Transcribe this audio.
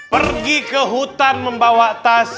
pergi ke hutan membawa tas